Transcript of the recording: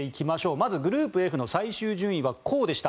まずグループＦの最終順位はこうでした。